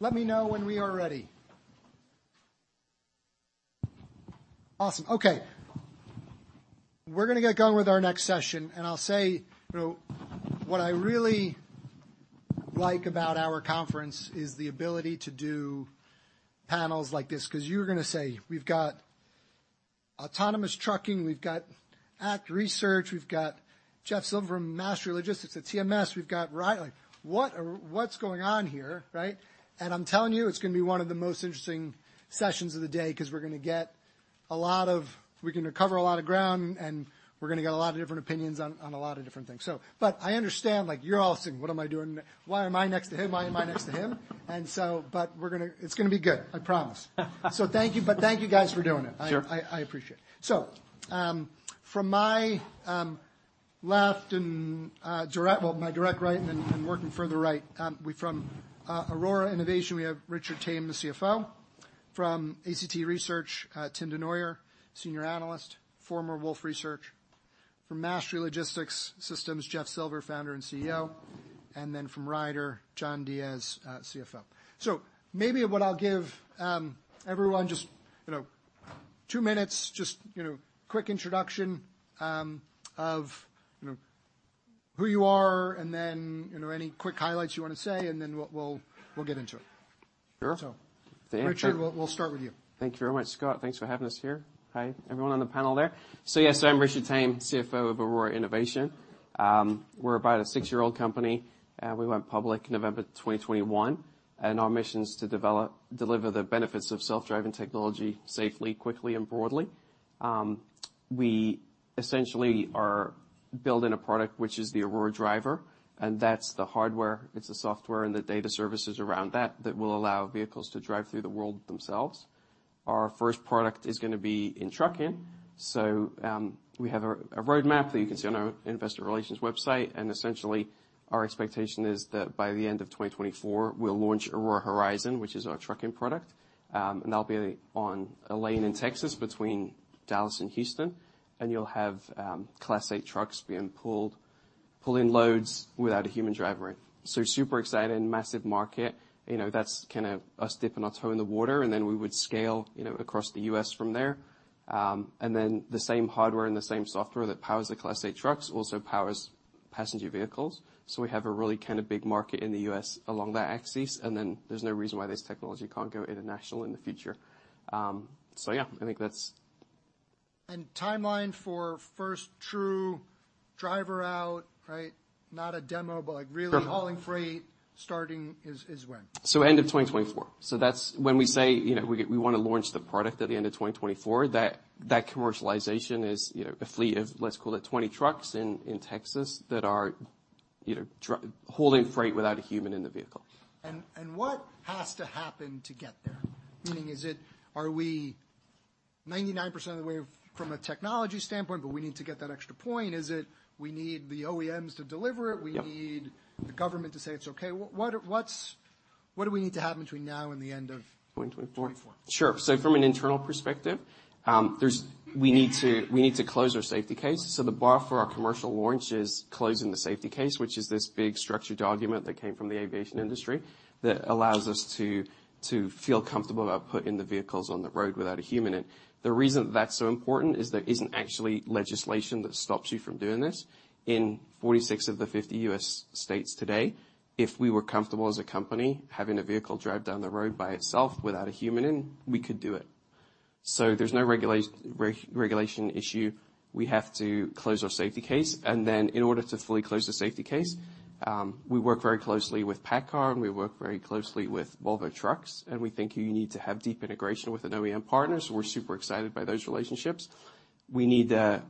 Let me know when we are ready. Awesome. Okay. We're gonna get going with our next session. I'll say, you know, what I really like about our conference is the ability to do panels like this, 'cause you're gonna say, "We've got autonomous trucking. We've got ACT Research. We've got Jeff Silver from Mastery Logistics at TMS. We've got Ryder. What's going on here?" Right? I'm telling you, it's gonna be one of the most interesting sessions of the day 'cause we can cover a lot of ground, and we're gonna get a lot of different opinions on a lot of different things. I understand, like, you're all saying, "What am I doing? Why am I next to him? Why am I next to him?" We're gonna... It's gonna be good. I promise. Thank you. Thank you guys for doing it. Sure. I appreciate it. From my left and my direct right and then, and working further right, from Aurora Innovation, we have Richard Tame, the CFO. From ACT Research, Tim Denoyer, Senior Analyst, former Wolfe Research. From Mastery Logistics Systems, Jeff Silver, Founder and CEO. From Ryder, John Diez, CFO. Maybe what I'll give everyone just, you know, two minutes just, you know, quick introduction, of, you know, who you are and then, you know, any quick highlights you wanna say, and then we'll get into it. Sure. Richard, we'll start with you. Thank you very much, Scott. Thanks for having us here. Hi, everyone on the panel there. Yes, I'm Richard Tame, CFO of Aurora Innovation. We're about a six-year-old company. We went public November 2021, and our mission is to deliver the benefits of self-driving technology safely, quickly, and broadly. We essentially are building a product which is the Aurora Driver, and that's the hardware, it's the software, and the data services around that that will allow vehicles to drive through the world themselves. Our first product is gonna be in trucking. We have a roadmap that you can see on our investor relations website. Essentially, our expectation is that by the end of 2024, we'll launch Aurora Horizon, which is our trucking product. That'll be on a lane in Texas between Dallas and Houston. You'll have Class 8 trucks being pulled, pulling loads without a human driver. Super excited, massive market. You know, that's kinda us dipping our toe in the water, and then we would scale, you know, across the U.S. from there. The same hardware and the same software that powers the Class 8 trucks also powers passenger vehicles. We have a really kinda big market in the U.S. along that axis. There's no reason why this technology can't go international in the future. Yeah, I think that's... Timeline for first true driver out, right? Not a demo, but. Sure. really hauling freight, starting is when? End of 2024. That's when we say, you know, we wanna launch the product at the end of 2024, that commercialization is, you know, a fleet of, let's call it 20 trucks in Texas that are, you know, hauling freight without a human in the vehicle. What has to happen to get there? Meaning, are we 99% of the way from a technology standpoint, but we need to get that extra point? Is it we need the OEMs to deliver it? Yep. We need the government to say it's okay? What do we need to happen between now and the end of- 2024?... 2024. From an internal perspective, we need to close our safety case. The bar for our commercial launch is closing the safety case, which is this big structured argument that came from the aviation industry that allows us to feel comfortable about putting the vehicles on the road without a human in. The reason that's so important is there isn't actually legislation that stops you from doing this. In 46 of the 50 U.S. states today, if we were comfortable as a company having a vehicle drive down the road by itself without a human in, we could do it. There's no re-regulation issue. We have to close our safety case. In order to fully close the safety case, we work very closely with PACCAR, we work very closely with Volvo Trucks, we think you need to have deep integration with an OEM partner, we're super excited by those relationships. We need a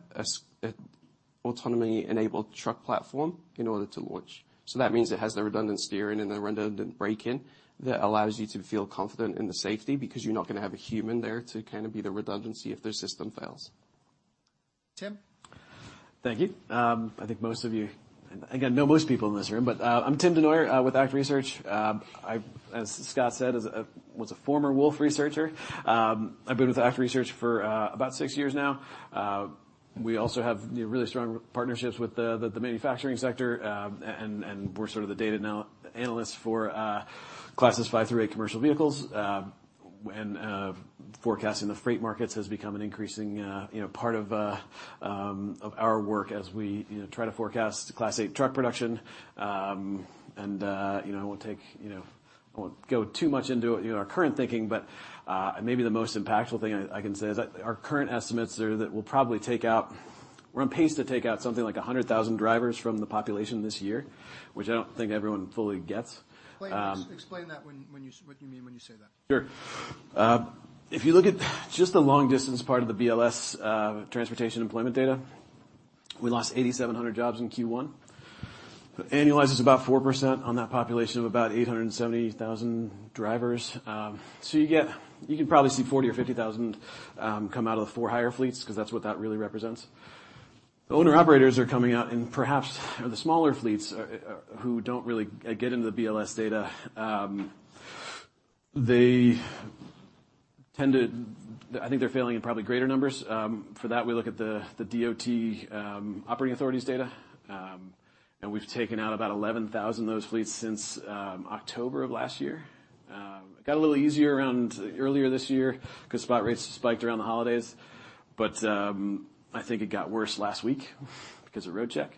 autonomy-enabled truck platform in order to launch. That means it has the redundant steering and the redundant braking that allows you to feel confident in the safety because you're not gonna have a human there to kinda be the redundancy if their system fails. Tim. Thank you. I know most people in this room, but I'm Tim Denoyer, with ACT Research. I, as Scott said, was a former Wolfe Research researcher. I've been with ACT Research for about six years now. We also have, you know, really strong partnerships with the manufacturing sector, and we're sort of the data analyst for Classes 5 through Classes 8 commercial vehicles. Forecasting the freight markets has become an increasing, you know, part of our work as we, you know, try to forecast Class 8 truck production, you know, I won't take, you know, I won't go too much into, you know, our current thinking, but maybe the most impactful thing I can say is that our current estimates are that we're on pace to take out something like 100,000 drivers from the population this year, which I don't think everyone fully gets. Explain that, when what you mean when you say that. Sure. If you look at just the long-distance part of the BLS transportation employment data, we lost 8,700 jobs in Q1. Annualized, it's about 4% on that population of about 870,000 drivers. You can probably see 40,000 or 50,000 come out of the for-hire fleets 'cause that's what that really represents. The owner-operators are coming out and perhaps the smaller fleets who don't really get into the BLS data, I think they're failing in probably greater numbers. For that, we look at the DOT operating authorities data. We've taken out about 11,000 of those fleets since October of last year. It got a little easier around earlier this year 'cause spot rates spiked around the holidays, but I think it got worse last week because of International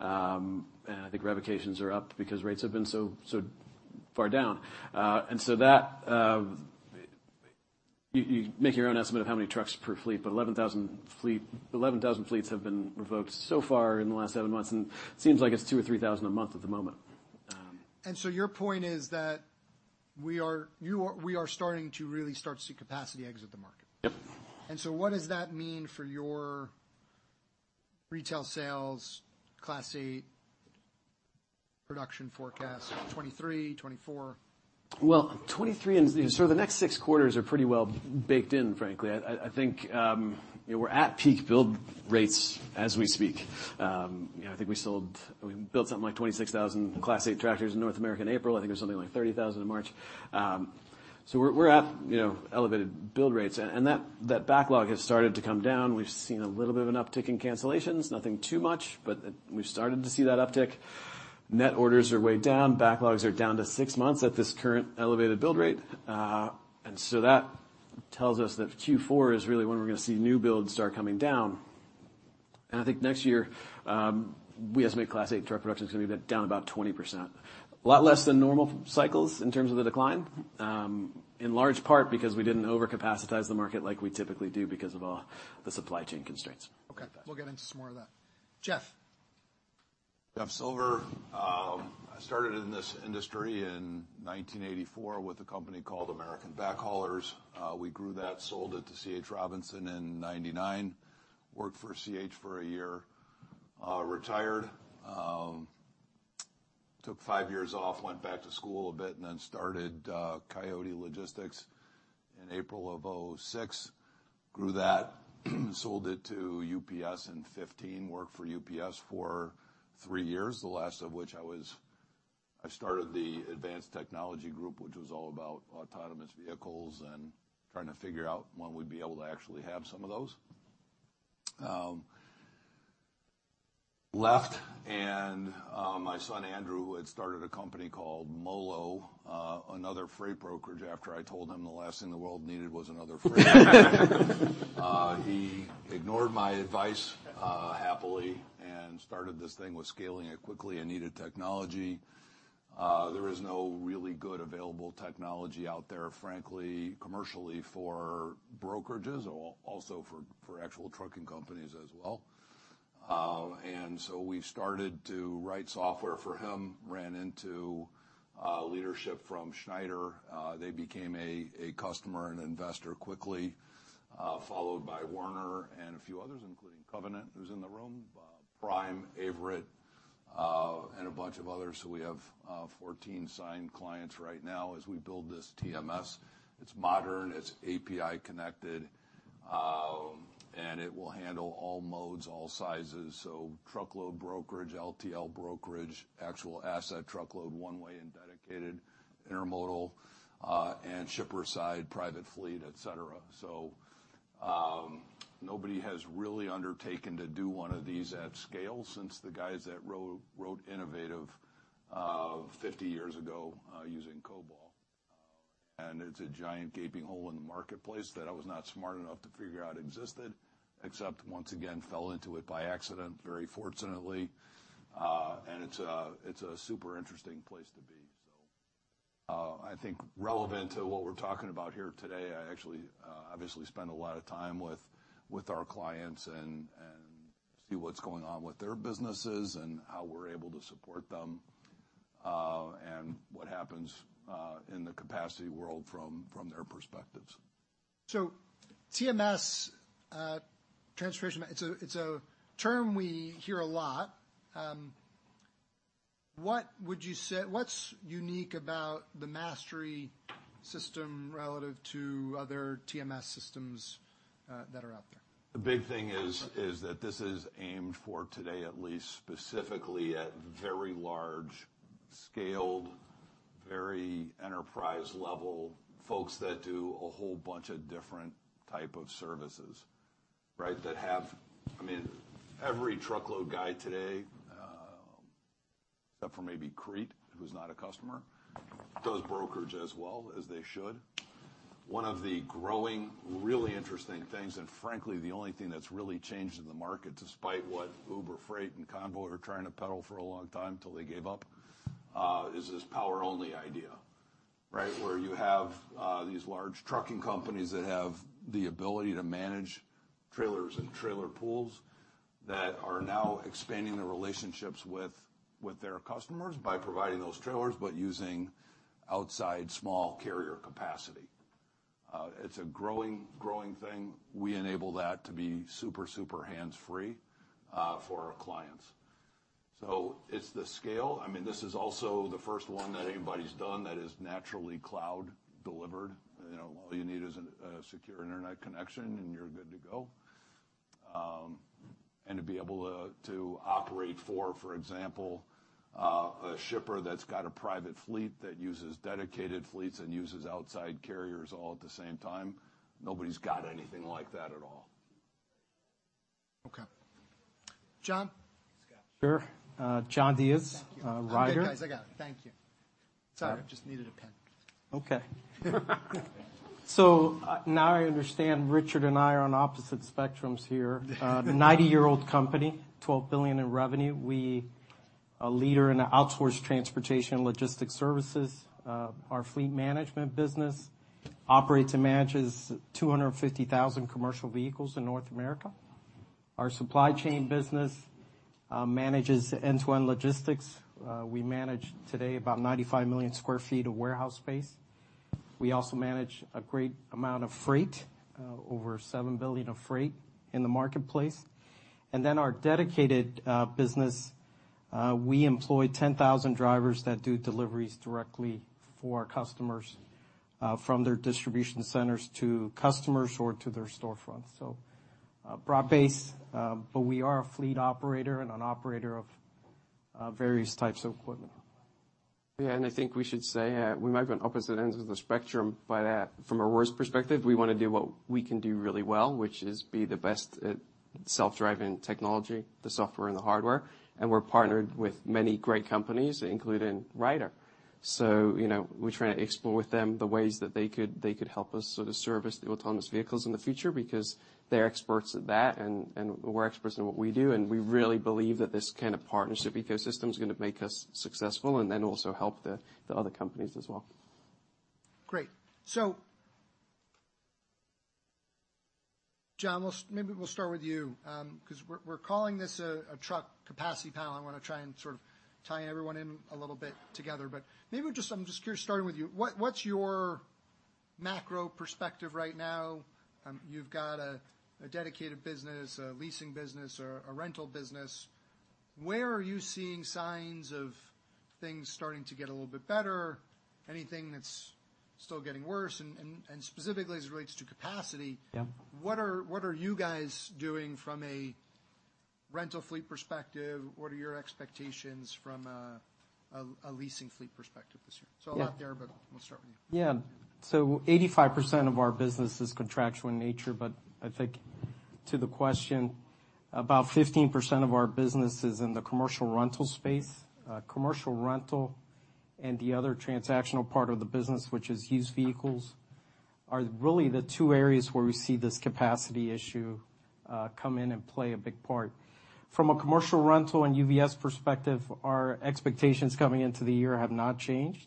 Roadcheck. I think revocations are up because rates have been so far down. You make your own estimate of how many trucks per fleet, but 11,000 fleets have been revoked so far in the last seven months, and it seems like it's 2,000 or 3,000 a month at the moment. Your point is that we are starting to see capacity exit the market. Yep. What does that mean for your retail sales, Class 8 production forecast, 2023, 2024? Well, 2023 the next six quarters are pretty well baked in, frankly. I think, you know, we're at peak build rates as we speak. you know, I think we built something like 26,000 Class 8 tractors in North America in April. I think it was something like 30,000 in March. we're at, you know, elevated build rates. that backlog has started to come down. We've seen a little bit of an uptick in cancellations. Nothing too much, but we've started to see that uptick. Net orders are way down. Backlogs are down to six months at this current elevated build rate. that tells us that Q4 is really when we're gonna see new builds start coming down. I think next year, we estimate Class 8 truck production is gonna be about down about 20%. A lot less than normal cycles in terms of the decline, in large part because we didn't overcapacitize the market like we typically do because of all the supply chain constraints. Okay. We'll get into some more of that. Jeff. Jeff Silver. I started in this industry in 1984 with a company called American Backhaulers. We grew that, sold it to C.H. Robinson in 1999. Worked for C.H. for a year. Retired, took five years off, went back to school a bit, and then started Coyote Logistics in April of 2006. Grew that, sold it to UPS in 2015. Worked for UPS for three years, the last of which I started the advanced technology group, which was all about autonomous vehicles and trying to figure out when we'd be able to actually have some of those. Left and my son, Andrew, had started a company called MoLo, another freight brokerage after I told him the last thing the world needed was another freight brokerage. He ignored my advice, happily and started this thing. Was scaling it quickly and needed technology. There is no really good available technology out there, frankly, commercially for brokerages or also for actual trucking companies as well. We started to write software for him, ran into leadership from Schneider. They became a customer and investor quickly, followed by Werner and a few others, including Covenant, who's in the room, Prime, Averitt, and a bunch of others. We have 14 signed clients right now as we build this TMS. It's modern, it's API connected, and it will handle all modes, all sizes. Truckload brokerage, LTL brokerage, actual asset truckload, one-way and dedicated, intermodal, and shipper side, private fleet, et cetera. Nobody has really undertaken to do one of these at scale since the guys that wrote Innovative, 50 years ago, using COBOL. It's a giant gaping hole in the marketplace that I was not smart enough to figure out existed, except once again, fell into it by accident, very fortunately. It's a super interesting place to be, so. I think relevant to what we're talking about here today, I actually obviously spend a lot of time with our clients and see what's going on with their businesses and how we're able to support them, and what happens in the capacity world from their perspectives. TMS, it's a term we hear a lot. What's unique about the Mastery system relative to other TMS systems that are out there? The big thing is that this is aimed for today, at least specifically at very large scaled, very enterprise level folks that do a whole bunch of different type of services, right? That have. I mean, every truckload guy today, except for maybe Crete, who's not a customer, does brokerage as well, as they should. One of the growing, really interesting things, and frankly, the only thing that's really changed in the market, despite what Uber Freight and Convoy are trying to peddle for a long time till they gave up, is this Power Only idea, right? Where you have these large trucking companies that have the ability to manage trailers and trailer pools that are now expanding their relationships with their customers by providing those trailers, but using outside small carrier capacity. It's a growing thing. We enable that to be super hands-free, for our clients. It's the scale. I mean, this is also the first one that anybody's done that is naturally cloud delivered. You know, all you need is a secure internet connection, and you're good to go. To be able to operate for example, a shipper that's got a private fleet that uses dedicated fleets and uses outside carriers all at the same time, nobody's got anything like that at all. Okay. John? Sure. John Diez, Ryder. Thank you. I'm good, guys, I got it. Thank you. Sorry, just needed a pen. Okay. Now I understand Richard and I are on opposite spectrums here. The 90-year-old company, $12 billion in revenue. We are a leader in outsourced transportation and logistics services. Our fleet management business operates and manages 250,000 commercial vehicles in North America. Our supply chain business manages end-to-end logistics. We manage today about 95 million sq ft of warehouse space. We also manage a great amount of freight, over $7 billion of freight in the marketplace. Our dedicated business, we employ 10,000 drivers that do deliveries directly for our customers, from their distribution centers to customers or to their storefronts. Broad base, but we are a fleet operator and an operator of various types of equipment. Yeah, I think we should say, we might be on opposite ends of the spectrum, by that, from a worse perspective, we wanna do what we can do really well, which is be the best at self-driving technology, the software and the hardware. We're partnered with many great companies, including Ryder. You know, we're trying to explore with them the ways that they could help us sort of service the autonomous vehicles in the future because they're experts at that and we're experts in what we do. We really believe that this kind of partnership ecosystem is gonna make us successful and then also help the other companies as well. Great. John, maybe we'll start with you, 'cause we're calling this a truck capacity panel. I wanna try and sort of tie everyone in a little bit together. Maybe just I'm just curious, starting with you, what's your macro perspective right now? You've got a dedicated business, a leasing business, a rental business. Where are you seeing signs of things starting to get a little bit better? Anything that's still getting worse? Specifically as it relates to capacity. Yeah. What are you guys doing from a rental fleet perspective? What are your expectations from a leasing fleet perspective this year? Yeah. A lot there, but we'll start with you. 85% of our business is contractual in nature. I think to the question, about 15% of our business is in the commercial rental space. Commercial rental and the other transactional part of the business, which is used vehicles, are really the two areas where we see this capacity issue come in and play a big part. From a commercial rental and UVS perspective, our expectations coming into the year have not changed,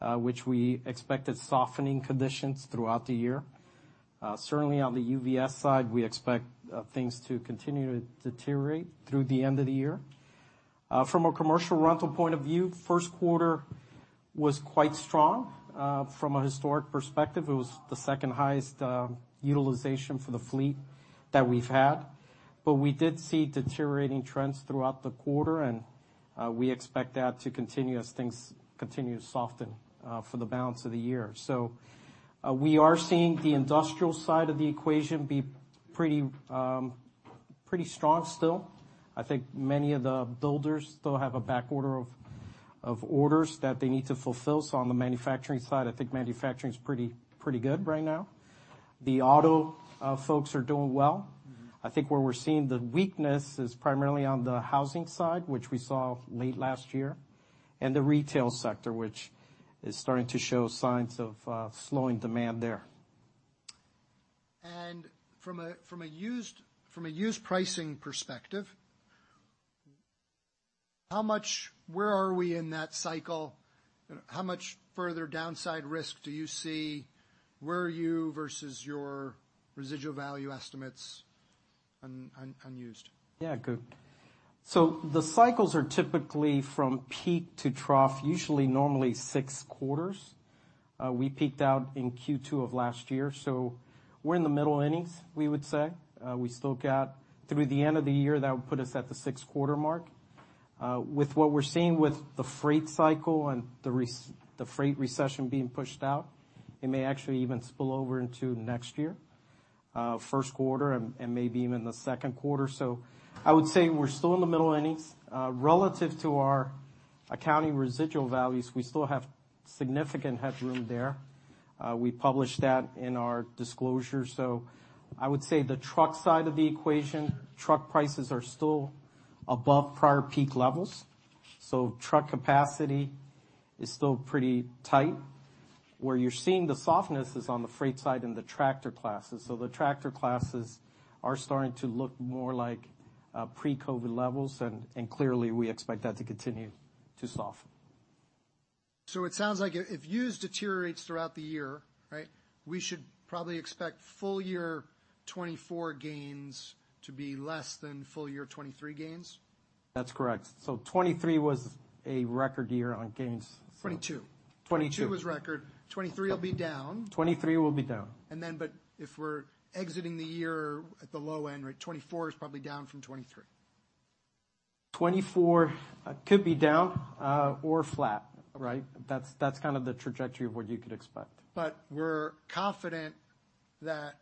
which we expected softening conditions throughout the year. Certainly on the UVS side, we expect things to continue to deteriorate through the end of the year. From a commercial rental point of view, first quarter was quite strong. From a historic perspective, it was the second highest utilization for the fleet that we've had. We did see deteriorating trends throughout the quarter, and we expect that to continue as things continue to soften for the balance of the year. We are seeing the industrial side of the equation be pretty strong still. I think many of the builders still have a back order of orders that they need to fulfill. On the manufacturing side, I think manufacturing is pretty good right now. The auto folks are doing well. I think where we're seeing the weakness is primarily on the housing side, which we saw late last year, and the retail sector, which is starting to show signs of slowing demand there. From a used pricing perspective, where are we in that cycle? How much further downside risk do you see? Where are you versus your residual value estimates on used? Good. The cycles are typically from peak to trough, usually normally six quarters. We peaked out in Q2 of last year, so we're in the middle innings, we would say. We still got through the end of the year, that would put us at the sixth quarter mark. With what we're seeing with the freight cycle and the freight recession being pushed out, it may actually even spill over into next year, first quarter and maybe even the second quarter. I would say we're still in the middle innings. Relative to our accounting residual values, we still have significant headroom there. We published that in our disclosure. I would say the truck side of the equation, truck prices are still above prior peak levels. Truck capacity is still pretty tight. Where you're seeing the softness is on the freight side and the tractor classes. The tractor classes are starting to look more like pre-COVID levels. Clearly, we expect that to continue to soften. It sounds like if used deteriorates throughout the year, right, we should probably expect full year 2024 gains to be less than full year 2023 gains? That's correct. 2023 was a record year on gains. 2022. 2022. 2022 was record. 2023 will be down. 2023 will be down. If we're exiting the year at the low end, right, 2024 is probably down from 2023. 2024 could be down, or flat, right? That's kind of the trajectory of what you could expect. We're confident that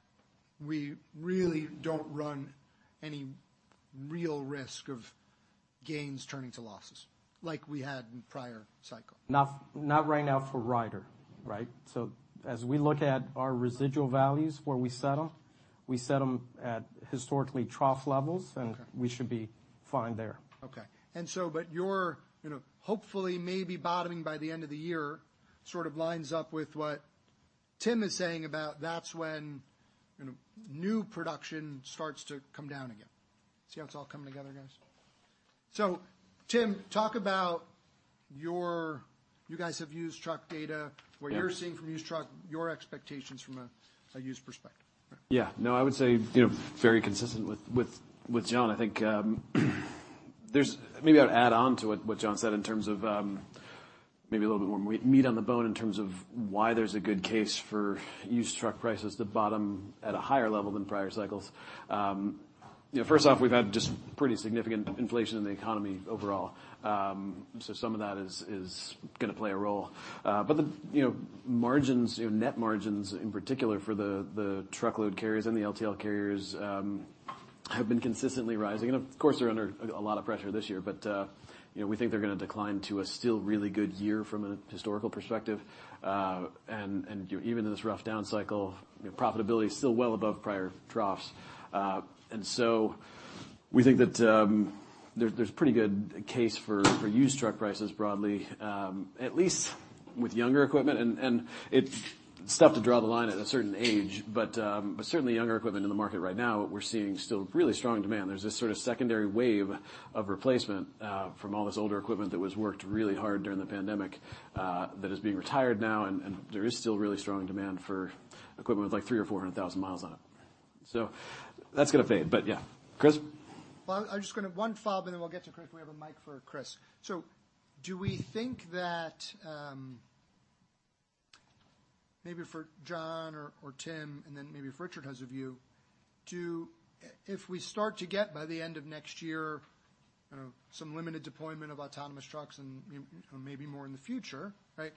we really don't run any real risk of gains turning to losses like we had in prior cycles. Not right now for Ryder, right? As we look at our residual values, where we set them, we set them at historically trough levels. Okay. We should be fine there. Okay. You're, you know, hopefully, maybe bottoming by the end of the year, sort of lines up with what Tim is saying about that's when, you know, new production starts to come down again. See how it's all coming together, guys? Tim, talk about your you guys have used truck data. Yeah. What you're seeing from used truck, your expectations from a used perspective? Yeah. No, I would say, you know, very consistent with, with John. I think, maybe I'll add on to what John said in terms of, maybe a little bit more meat on the bone in terms of why there's a good case for used truck prices to bottom at a higher level than prior cycles. You know, first off, we've had just pretty significant inflation in the economy overall. Some of that is gonna play a role. The, you know, margins, you know, net margins in particular for the truckload carriers and the LTL carriers, have been consistently rising. Of course, they're under a lot of pressure this year, but, you know, we think they're gonna decline to a still really good year from a historical perspective. Even in this rough down cycle, profitability is still well above prior troughs. We think that there's pretty good case for used truck prices broadly, at least with younger equipment. It's tough to draw the line at a certain age, but certainly younger equipment in the market right now, we're seeing still really strong demand. There's this sort of secondary wave of replacement, from all this older equipment that was worked really hard during the pandemic, that is being retired now. There is still really strong demand for equipment with like 300,000 or 400,000 miles on it. That's gonna fade. Yeah. Chris? I'm just gonna one follow-up, and then we'll get to Chris. We have a mic for Chris. Do we think that, maybe for John or Tim, and then maybe if Richard has a view, if we start to get by the end of next year, you know, some limited deployment of autonomous trucks and maybe more in the future, right?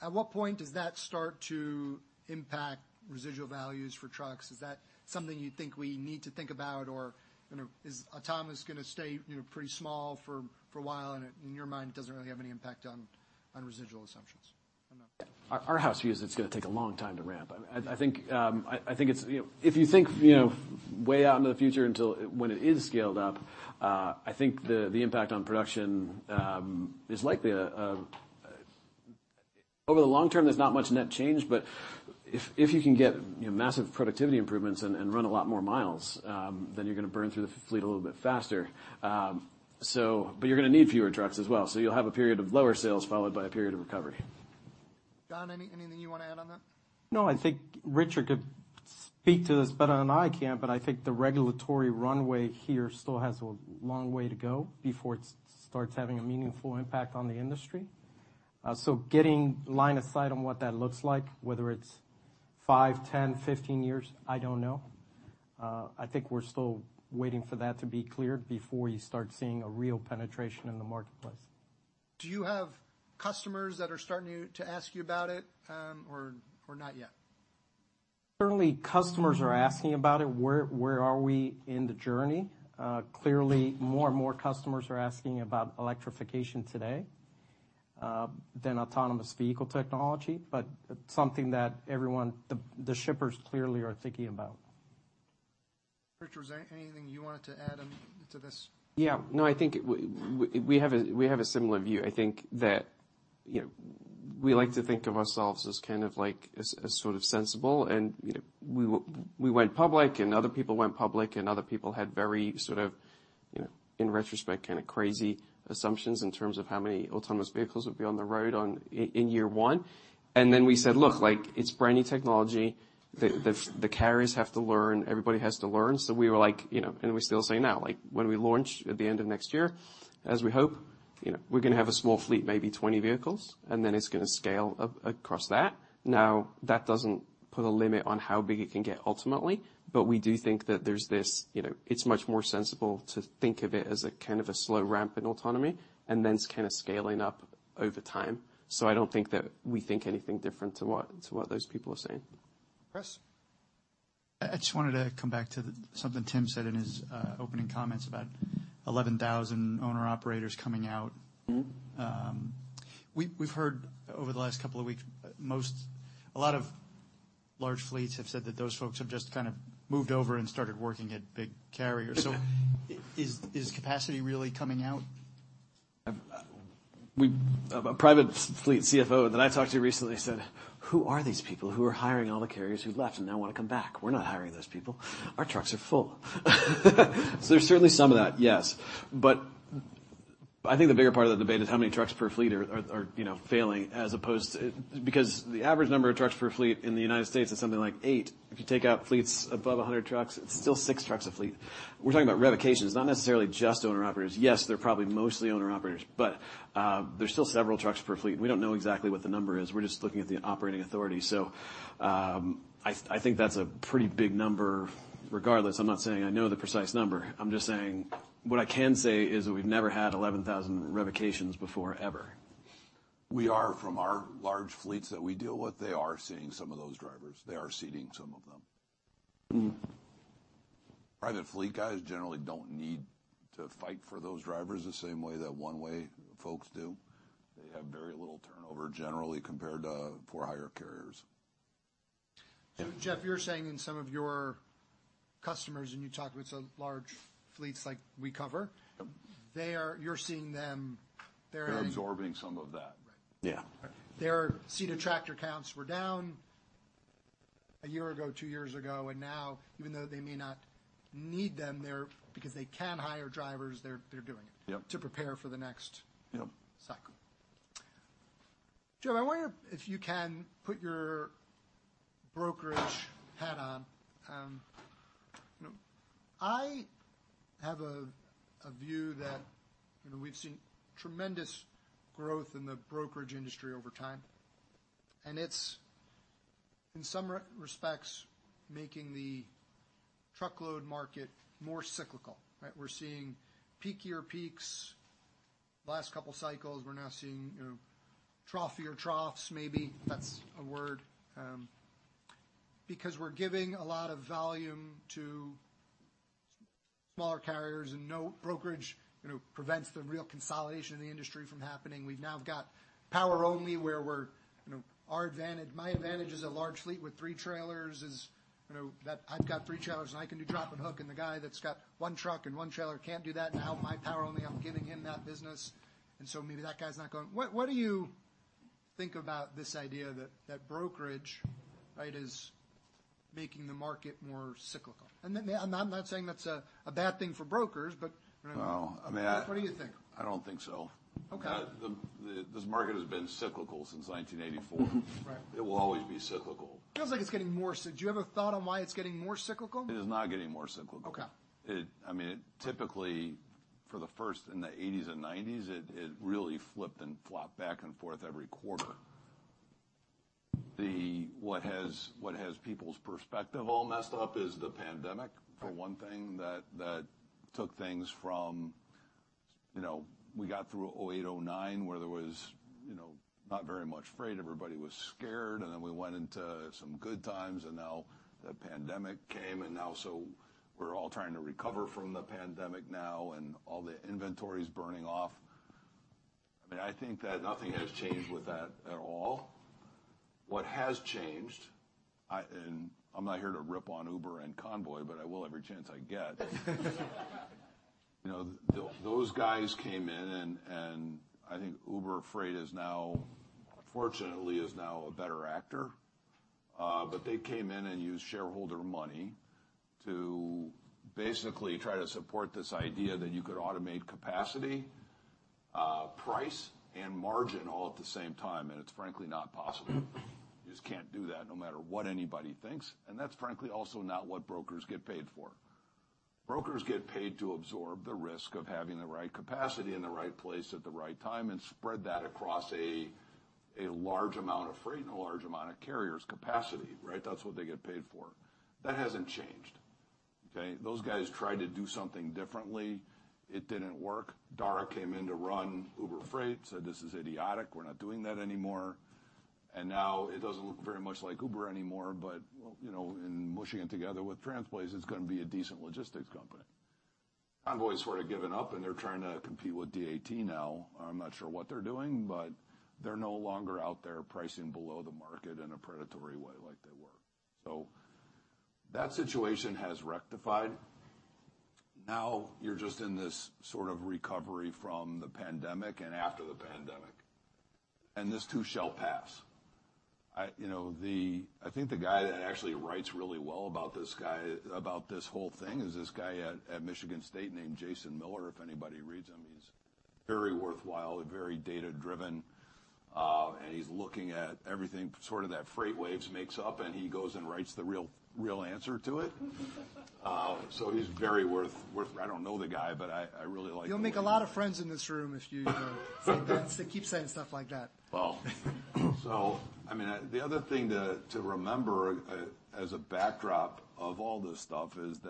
At what point does that start to impact residual values for trucks? Is that something you think we need to think about? Or, you know, is autonomous gonna stay, you know, pretty small for a while, and in your mind, it doesn't really have any impact on residual assumptions? Our house view is it's gonna take a long time to ramp. I think it's, you know, if you think, you know, way out into the future until when it is scaled up, I think the impact on production is likely. Over the long term, there's not much net change, but if you can get, you know, massive productivity improvements and run a lot more miles, then you're gonna burn through the fleet a little bit faster. But you're gonna need fewer trucks as well. You'll have a period of lower sales followed by a period of recovery. John, anything you wanna add on that? I think Richard could speak to this better than I can. I think the regulatory runway here still has a long way to go before it starts having a meaningful impact on the industry. Getting line of sight on what that looks like, whether it's five, 10, 15 years, I don't know. I think we're still waiting for that to be cleared before you start seeing a real penetration in the marketplace. Do you have customers that are starting to ask you about it, or not yet? Certainly, customers are asking about it. Where are we in the journey? Clearly, more and more customers are asking about electrification today than autonomous vehicle technology. It's something that everyone, the shippers clearly are thinking about. Richard, was there anything you wanted to add on to this? Yeah. No, I think we have a, we have a similar view. I think that, you know, we like to think of ourselves as kind of like, as sort of sensible. You know, we went public and other people went public, and other people had very sort of, you know, in retrospect, kind of crazy assumptions in terms of how many autonomous vehicles would be on the road in year one. Then we said, "Look, like it's brand new technology. The carriers have to learn, everybody has to learn." We were like, you know, and we still say now, like when we launch at the end of next year, as we hope, you know, we're gonna have a small fleet, maybe 20 vehicles, and then it's gonna scale across that. That doesn't put a limit on how big it can get ultimately. We do think that there's this, you know, it's much more sensible to think of it as a kind of a slow ramp in autonomy, and then it's kinda scaling up over time. I don't think that we think anything different to what those people are saying. Chris. I just wanted to come back to something Tim said in his opening comments about 11,000 owner-operators coming out. Mm-hmm. We've heard over the last couple of weeks, a lot of large fleets have said that those folks have just kind of moved over and started working at big carriers. Is capacity really coming out? A private fleet CFO that I talked to recently said, "Who are these people who are hiring all the carriers who've left and now wanna come back? We're not hiring those people. Our trucks are full." There's certainly some of that, yes. I think the bigger part of the debate is how many trucks per fleet are, you know, failing as opposed to... Because the average number of trucks per fleet in the United States is something like 8. If you take out fleets above 100 trucks, it's still six trucks a fleet. We're talking about revocations, not necessarily just owner-operators. Yes, they're probably mostly owner-operators, but there's still several trucks per fleet. We don't know exactly what the number is, we're just looking at the operating authority. I think that's a pretty big number regardless. I'm not saying I know the precise number. I'm just saying what I can say is that we've never had 11,000 revocations before ever. We are from our large fleets that we deal with, they are seeing some of those drivers. They are seating some of them. Mm-hmm. Private fleet guys generally don't need to fight for those drivers the same way that one-way folks do. They have very little turnover generally compared to for-hire carriers. Jeff, you're saying in some of your customers, and you talk with some large fleets like we cover. Yep. You're seeing them. They're absorbing some of that. Right. Yeah. Their seated tractor counts were down a year ago, two years ago, and now even though they may not need them, they're, because they can hire drivers, they're doing it. Yep. To prepare for the next- Yep... cycle. Joe, I wonder if you can put your brokerage hat on. You know, I have a view that, you know, we've seen tremendous growth in the brokerage industry over time, and it's in some respects, making the truckload market more cyclical, right? We're seeing peakier peaks. Last couple cycles, we're now seeing, you know, troughier troughs, maybe that's a word, because we're giving a lot of volume to smaller carriers, and no brokerage, you know, prevents the real consolidation in the industry from happening. We've now got Power Only where we're, you know, our advantage, my advantage as a large fleet with three trailers is, you know, that I've got three trailers, and I can do drop and hook, and the guy that's got one truck and one trailer can't do that. Now, my Power Only, I'm getting in that business, and so maybe that guy's not going... What do you think about this idea that brokerage, right, is making the market more cyclical? I'm not saying that's a bad thing for brokers, but, you know. Well, I mean... What do you think? I don't think so. Okay. This market has been cyclical since 1984. Right. It will always be cyclical. Feels like it's getting more so. Do you have a thought on why it's getting more cyclical? It is not getting more cyclical. Okay. I mean, it typically, for the first in the 80's and 90's it really flipped and flopped back and forth every quarter. What has people's perspective all messed up is the pandemic. Right. For one thing that took things from, you know, we got through 2008, 2009 where there was, you know, not very much freight, everybody was scared, then we went into some good times. Now the pandemic came, now so we're all trying to recover from the pandemic now, and all the inventory's burning off. I mean, I think that nothing has changed with that at all. What has changed, I'm not here to rip on Uber and Convoy, but I will every chance I get. You know, those guys came in and I think Uber Freight is now, fortunately is now a better actor. They came in and used shareholder money to basically try to support this idea that you could automate capacity, price, and margin all at the same time, it's frankly not possible. You just can't do that no matter what anybody thinks. That's frankly also not what brokers get paid for. Brokers get paid to absorb the risk of having the right capacity in the right place at the right time and spread that across a large amount of freight and a large amount of carriers' capacity, right? That's what they get paid for. That hasn't changed, okay? Those guys tried to do something differently, it didn't work. Dara came in to run Uber Freight, said, "This is idiotic. We're not doing that anymore." Now it doesn't look very much like Uber anymore, but, you know, in mushing it together with Transplace, it's gonna be a decent logistics company. Convoy sort of given up, and they're trying to compete with DAT now. I'm not sure what they're doing, but they're no longer out there pricing below the market in a predatory way like they were. That situation has rectified. You're just in this sort of recovery from the pandemic and after the pandemic, and this too shall pass. I, you know, I think the guy that actually writes really well about this guy, about this whole thing is this guy at Michigan State named Jason Miller. If anybody reads him, he's very worthwhile and very data-driven, and he's looking at everything sort of that FreightWaves makes up, and he goes and writes the real answer to it. He's very worth. I don't know the guy, but I really like the way. You'll make a lot of friends in this room if you know, keep saying stuff like that. Well, I mean, the other thing to remember as a backdrop of all this stuff is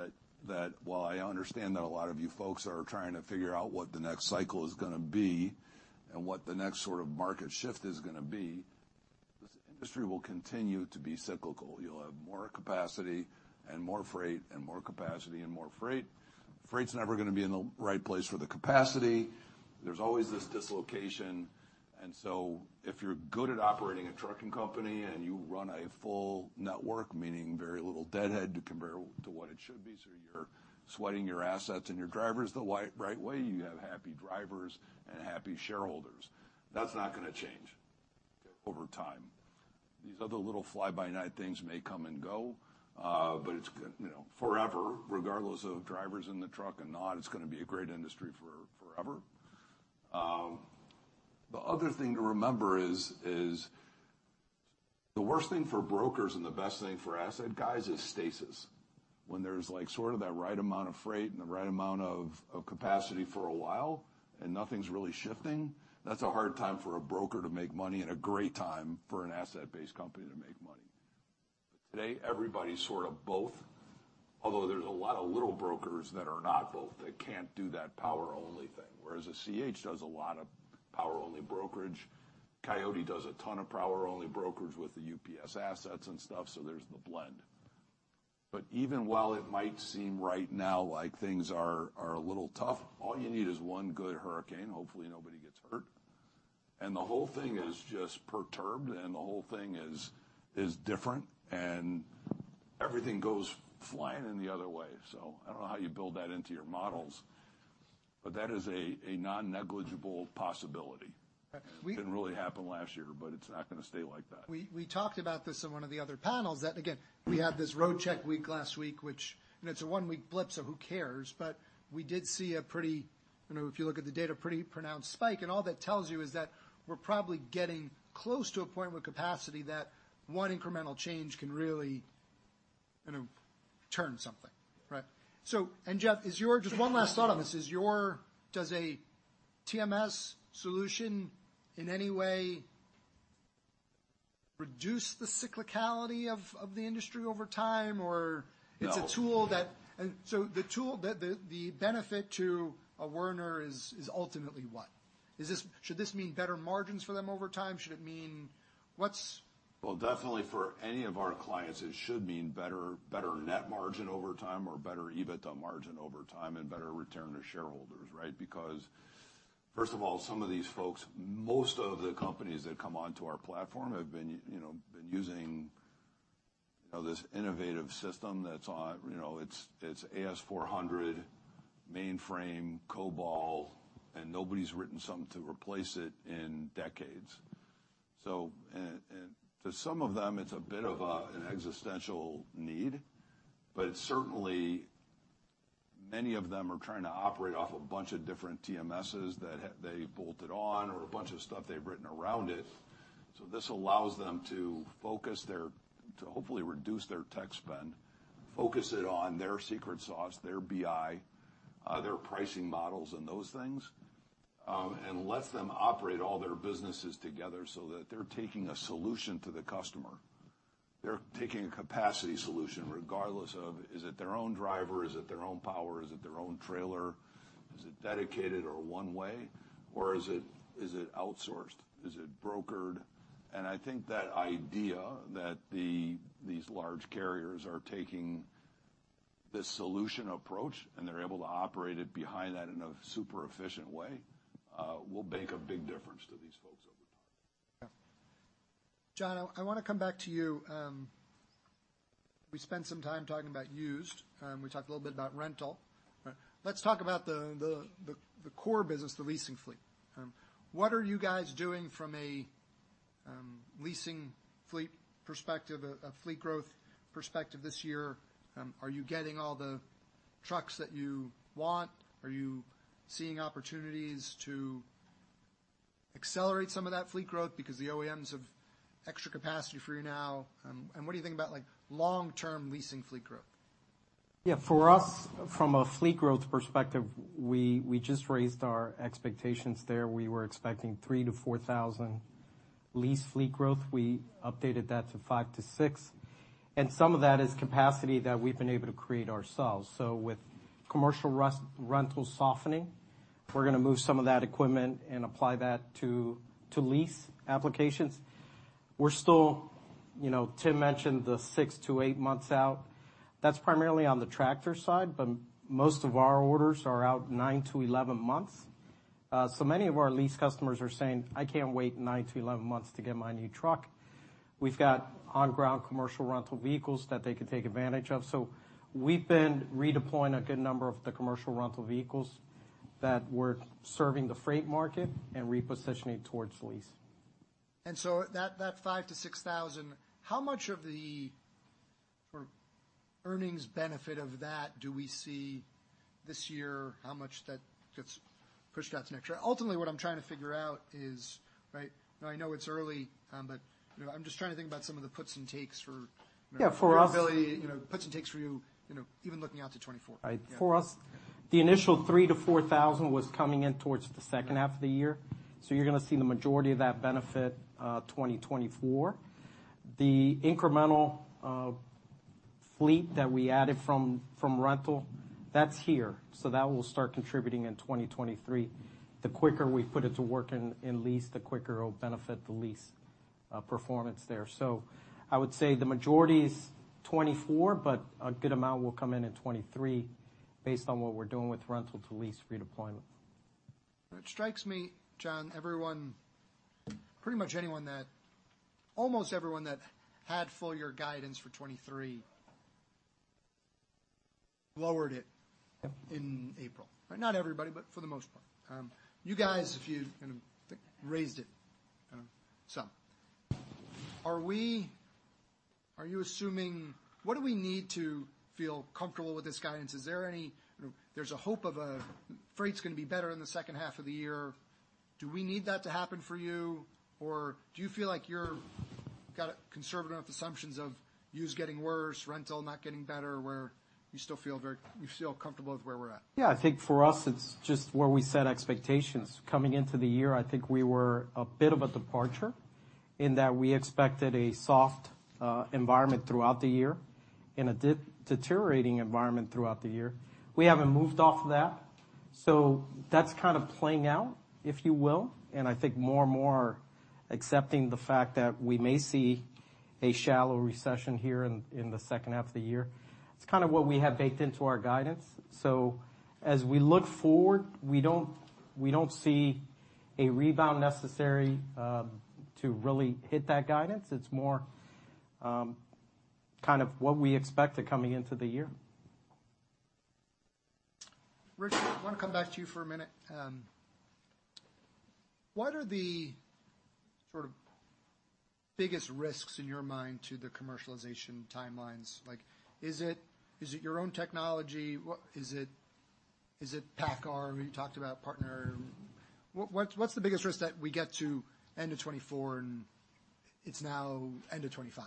that while I understand that a lot of you folks are trying to figure out what the next cycle is gonna be and what the next sort of market shift is gonna be, this industry will continue to be cyclical. You'll have more capacity and more freight and more capacity and more freight. Freight's never gonna be in the right place for the capacity. There's always this dislocation. If you're good at operating a trucking company and you run a full network, meaning very little deadhead compared to what it should be, so you're sweating your assets and your drivers the right way, you have happy drivers and happy shareholders. That's not gonna change over time. These other little fly by night things may come and go, but it's gonna, you know, forever, regardless of drivers in the truck or not, it's gonna be a great industry for forever. The other thing to remember is the worst thing for brokers and the best thing for asset guys is stasis. When there's like sort of that right amount of freight and the right amount of capacity for a while and nothing's really shifting, that's a hard time for a broker to make money and a great time for an asset-based company to make money. Today, everybody's sort of both, although there's a lot of little brokers that are not both, that can't do that Power Only thing. Whereas a CH does a lot of Power Only brokerage. Coyote does a ton of Power Only brokerage with the UPS assets and stuff, so there's the blend. Even while it might seem right now, like things are a little tough, all you need is one good hurricane. Hopefully, nobody gets hurt. The whole thing is just perturbed, the whole thing is different, and everything goes flying in the other way. I don't know how you build that into your models, but that is a non-negligible possibility. Okay. It didn't really happen last year, but it's not gonna stay like that. We talked about this in one of the other panels that, again, we had this International Roadcheck week last week, which, and it's a one-week blip, so who cares? We did see a pretty, you know, if you look at the data, pretty pronounced spike, and all that tells you is that we're probably getting close to a point with capacity that one incremental change can really, you know, turn something, right? Jeff, just one last thought on this. Does a TMS solution, in any way, reduce the cyclicality of the industry over time, or... No.... it's a tool. The benefit to a Werner is ultimately what? Should this mean better margins for them over time? Should it mean? Definitely for any of our clients, it should mean better net margin over time or better EBITDA margin over time and better return to shareholders, right? First of all, some of these folks, most of the companies that come onto our platform have been you know, been using, you know, this innovative system that's on, you know, it's AS400 mainframe COBOL, and nobody's written something to replace it in decades. And to some of them, it's a bit of an existential need, but certainly many of them are trying to operate off a bunch of different TMSs that they bolted on or a bunch of stuff they've written around it. This allows them to focus to hopefully reduce their tech spend, focus it on their secret sauce, their BI, their pricing models and those things, and lets them operate all their businesses together so that they're taking a solution to the customer. They're taking a capacity solution regardless of, is it their own driver, is it their own power, is it their own trailer? Is it dedicated or one way, or is it outsourced? Is it brokered? I think that idea that these large carriers are taking this solution approach, and they're able to operate it behind that in a super efficient way, will make a big difference to these folks over time. Yeah. John, I wanna come back to you. We spent some time talking about used. We talked a little bit about rental. All right. Let's talk about the core business, the leasing fleet. What are you guys doing from a leasing fleet perspective, a fleet growth perspective this year? Are you getting all the trucks that you want? Are you seeing opportunities to accelerate some of that fleet growth because the OEMs have extra capacity for you now? What do you think about, like, long-term leasing fleet growth? Yeah. For us, from a fleet growth perspective, we just raised our expectations there. We were expecting $3,000-$4,000 lease fleet growth. We updated that to $5,000-$6,000. Some of that is capacity that we've been able to create ourselves. With commercial rental softening, we're gonna move some of that equipment and apply that to lease applications. We're still. You know, Tim mentioned the six to eight months out. That's primarily on the tractor side, but most of our orders are out nine to 11 months. Many of our lease customers are saying, "I can't wait nine to 11 months to get my new truck." We've got on-ground commercial rental vehicles that they could take advantage of. We've been redeploying a good number of the commercial rental vehicles that were serving the freight market and repositioning towards lease. That $5,000-$6,000, how much of the sort of earnings benefit of that do we see this year? How much that gets pushed out to next year? Ultimately, what I'm trying to figure out is, right, and I know it's early, but, you know, I'm just trying to think about some of the puts and takes for. Yeah. For us. Ability. You know, puts and takes for you know, even looking out to 2024. Right. For us, the initial $3,000-$4,000 was coming in towards the second half of the year. You're gonna see the majority of that benefit, 2024. The incremental, fleet that we added from rental, that's here. That will start contributing in 2023. The quicker we put it to work in lease, the quicker it'll benefit the lease, performance there. I would say the majority is 2024, but a good amount will come in in 2023 based on what we're doing with rental-to-lease redeployment. It strikes me, John, everyone, almost everyone that had full year guidance for 2023 lowered it. Yep. In April. Not everybody, but for the most part. You guys, if you, kind of raised it. Are you assuming, what do we need to feel comfortable with this guidance? There's a hope of a, freight's gonna be better in the second half of the year. Do we need that to happen for you, or do you feel like you're got conservative enough assumptions of used getting worse, rental not getting better, where you still feel comfortable with where we're at? Yeah. I think for us it's just where we set expectations. Coming into the year, I think we were a bit of a departure in that we expected a soft environment throughout the year and a de-deteriorating environment throughout the year. We haven't moved off that. That's kind of playing out, if you will, and I think more and more accepting the fact that we may see a shallow recession here in the second half of the year. It's kind of what we have baked into our guidance. As we look forward, we don't, we don't see a rebound necessary to really hit that guidance. It's more kind of what we expected coming into the year. Richard, I want to come back to you for a minute. What are the sort of biggest risks in your mind to the commercialization timelines? Like, is it your own technology? Is it PACCAR? We talked about partner. What's the biggest risk that we get to end of 2024 and it's now end of 2025?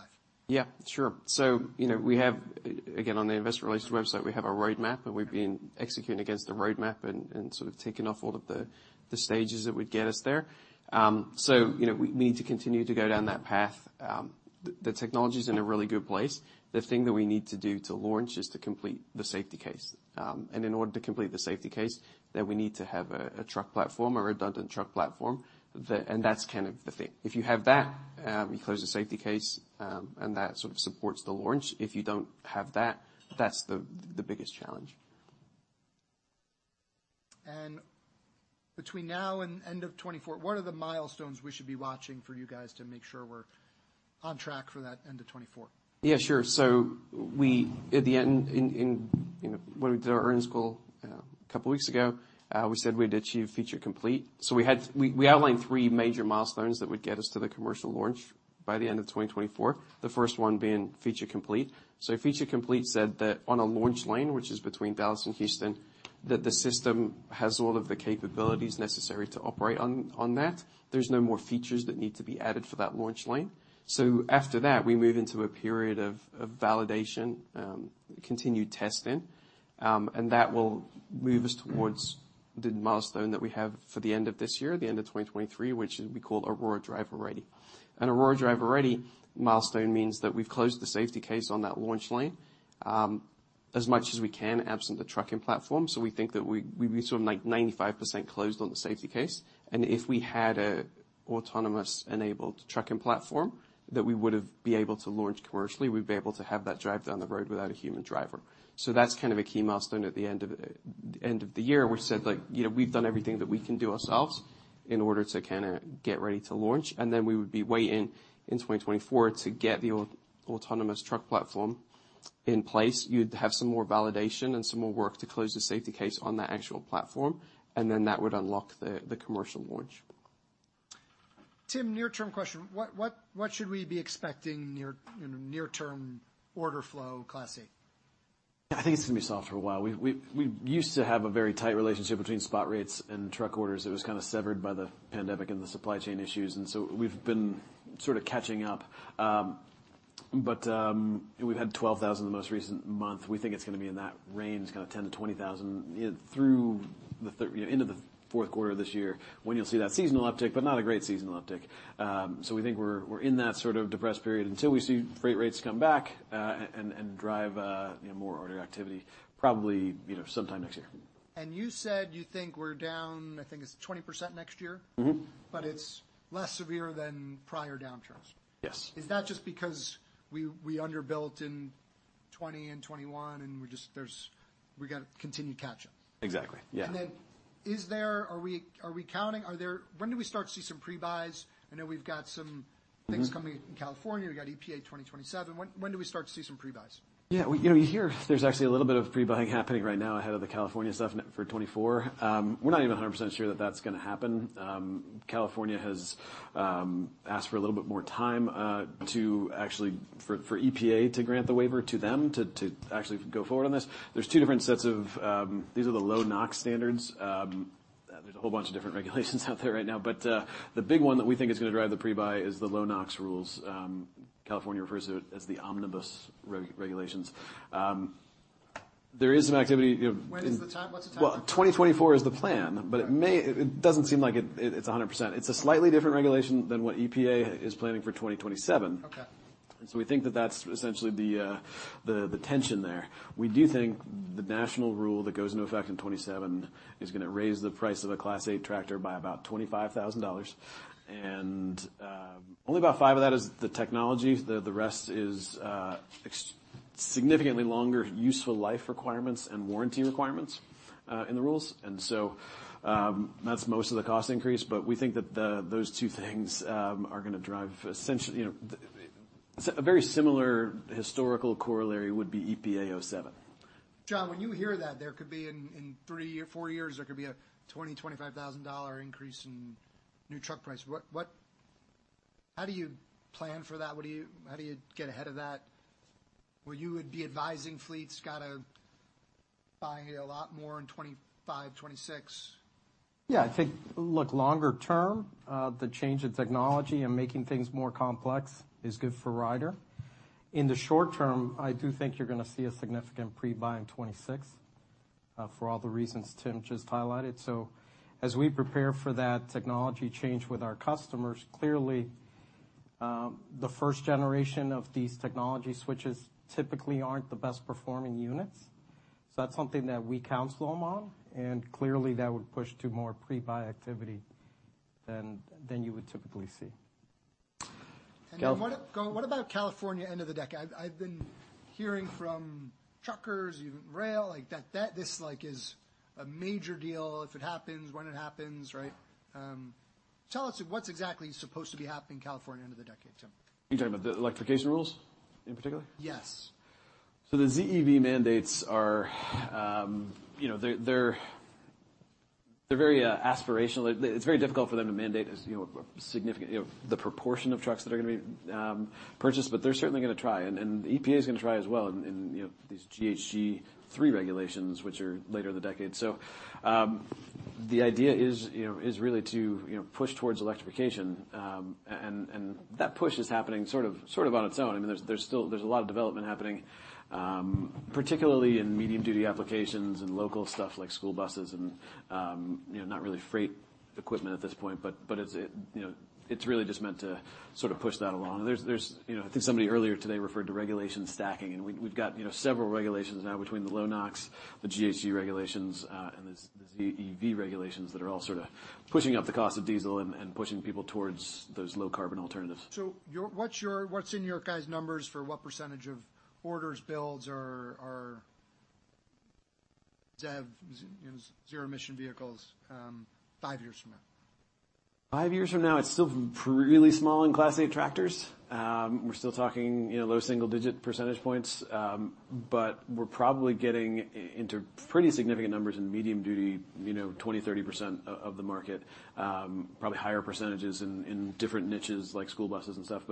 Yeah, sure. You know, we have, again, on the investor relations website, we have a roadmap, and we've been executing against the roadmap and sort of ticking off all of the stages that would get us there. You know, we need to continue to go down that path. The technology's in a really good place. The thing that we need to do to launch is to complete the safety case. In order to complete the safety case, then we need to have a truck platform, a redundant truck platform. That's kind of the thing. If you have that, we close the safety case, and that sort of supports the launch. If you don't have that's the biggest challenge. Between now and end of 2024, what are the milestones we should be watching for you guys to make sure we're on track for that end of 2024? Yeah, sure. We, at the end, in, you know, when we did our earnings call a couple weeks ago, we said we'd achieve Feature Complete. We outlined three major milestones that would get us to the commercial launch by the end of 2024, the first one being Feature Complete. Feature Complete said that on a launch lane, which is between Dallas and Houston, that the system has all of the capabilities necessary to operate on that. There's no more features that need to be added for that launch lane. After that, we move into a period of validation, continued testing, and that will move us towards the milestone that we have for the end of this year, the end of 2023, which is we call Aurora Driver Ready. An Aurora Driver Ready milestone means that we've closed the safety case on that launch lane, as much as we can, absent the trucking platform. We think that we'd be sort of, like, 95% closed on the safety case, and if we had a autonomous-enabled trucking platform that we would have been able to launch commercially, we'd be able to have that drive down the road without a human driver. That's kind of a key milestone at the end of the year. We said, like, you know, we've done everything that we can do ourselves in order to kind of get ready to launch, then we would be waiting in 2024 to get the autonomous truck platform in place. You'd have some more validation and some more work to close the safety case on the actual platform, and then that would unlock the commercial launch. Tim, near-term question. What should we be expecting near, you know, near-term order flow Class 8? I think it's gonna be soft for a while. We used to have a very tight relationship between spot rates and truck orders that was kind of severed by the pandemic and the supply chain issues. We've been sort of catching up. But we've had $12,000 the most recent month. We think it's gonna be in that range, kind of $10,000-$20,000 through you know, into the fourth quarter of this year when you'll see that seasonal uptick, but not a great seasonal uptick. We think we're in that sort of depressed period until we see freight rates come back, and drive, you know, more order activity probably, you know, sometime next year. You said you think we're down, I think it's 20% next year. Mm-hmm. It's less severe than prior downturns. Yes. Is that just because we underbuilt in 2020 and 2021, and we just, we got continued catch-up? Exactly, yeah. Are we counting? When do we start to see some pre-buys? I know we've got some things coming in California. We got EPA 2027. When do we start to see some pre-buys? Yeah. Well, you know, you hear there's actually a little bit of pre-buying happening right now ahead of the California stuff for 2024. We're not even 100% sure that that's going to happen. California has asked for a little bit more time to actually, for EPA to grant the waiver to them to actually go forward on this. There's two different sets of, these are the low NOx standards. There's a whole bunch of different regulations out there right now. But the big one that we think is going to drive the pre-buy is the low NOx rules. California refers to it as the Heavy-Duty Engine and Vehicle Omnibus Regulation. There is some activity, you know- When is the time? What's the timeline? 2024 is the plan, but it doesn't seem like it's 100%. It's a slightly different regulation than what EPA is planning for 2027. Okay. We think that that's essentially the tension there. We do think the national rule that goes into effect in 2027 is gonna raise the price of a Class 8 tractor by about $25,000. Only about $5,000 of that is the technology. The rest is significantly longer useful life requirements and warranty requirements in the rules. That's most of the cost increase. We think that those two things are gonna drive essentially, you know. A very similar historical corollary would be EPA 2027. John, when you hear that there could be in three or four years, there could be a $20,000-$25,000 increase in new truck price, what? How do you plan for that? How do you get ahead of that? You would be advising fleets gotta buy a lot more in 2025, 2026. Yeah. I think, look, longer term, the change in technology and making things more complex is good for Ryder. In the short term, I do think you're gonna see a significant pre-buy in 2026. For all the reasons Tim just highlighted. As we prepare for that technology change with our customers, clearly, the first generation of these technology switches typically aren't the best performing units. That's something that we counsel them on, and clearly that would push to more pre-buy activity than you would typically see. What about California end of the decade? I've been hearing from truckers, even rail, like, that this, like, is a major deal if it happens, when it happens, right? Tell us what's exactly supposed to be happening in California end of the decade, Tim. You're talking about the electrification rules in particular? Yes. The ZEV mandates are, you know, they're very aspirational. It's very difficult for them to mandate as, you know, a significant, you know, the proportion of trucks that are gonna be purchased, but they're certainly gonna try, and EPA's gonna try as well in, you know, these GHG3 regulations, which are later in the decade. The idea is, you know, is really to, you know, push towards electrification. That push is happening sort of on its own. I mean, there's a lot of development happening, particularly in medium duty applications and local stuff like school buses and, you know, not really freight equipment at this point. It's, you know, it's really just meant to sort of push that along. There's, you know, I think somebody earlier today referred to regulation stacking, and we've got, you know, several regulations now between the low NOx, the GHG regulations, and the ZEV regulations that are all sort of pushing up the cost of diesel and pushing people towards those low carbon alternatives. What's in your guys' numbers for what percentage of orders, builds are ZEV, you know, zero emission vehicles, five years from now? Five years from now, it's still pretty small in Class 8 tractors. We're still talking, you know, low-single-digit percentage points. We're probably getting into pretty significant numbers in medium duty, you know, 20%, 30% of the market. Probably higher percentages in different niches like school buses and stuff.